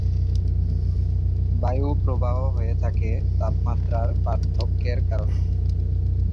বায়ু প্রবাহ হয়ে থাকে তাপমাত্রার পার্থক্যের কারণে।